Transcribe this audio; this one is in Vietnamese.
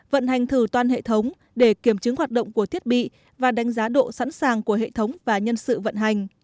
vận hành thử toàn hệ thống để kiểm chứng hoạt động của thiết bị và đánh giá độ sẵn sàng của hệ thống và nhân sự vận hành